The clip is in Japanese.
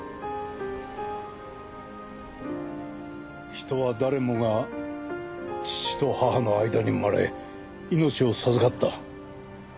人は誰もが父と母の間に生まれ命を授かった。